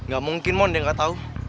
gak mungkin mon dia gak tau